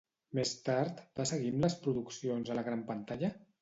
Més tard, va seguir amb les produccions a la gran pantalla?